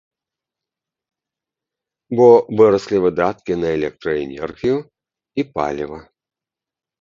Бо выраслі выдаткі на электраэнергію і паліва.